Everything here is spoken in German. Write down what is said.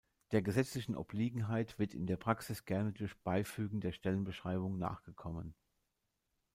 Der gesetzlichen Obliegenheit wird in der Praxis gerne durch Beifügen der „Stellenbeschreibung“ nachgekommen.